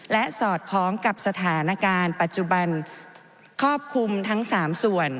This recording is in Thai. และสอดคล้องกับสถานการณ์ปัจจุบันครอบคลุมทั้ง๓ส่วน